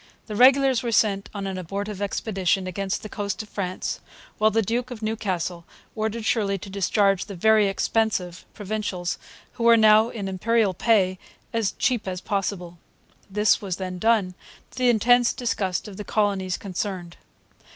The regulars were sent on an abortive expedition against the coast of France, while the Duke of Newcastle ordered Shirley to discharge the 'very expensive' Provincials, who were now in Imperial pay, 'as cheap as possible.' This was then done, to the intense disgust of the colonies concerned.